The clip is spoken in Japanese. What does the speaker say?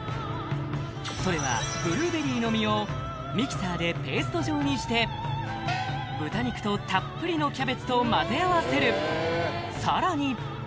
それはブルーベリーの実をミキサーでペースト状にして豚肉とたっぷりのキャベツと混ぜ合わせるさらに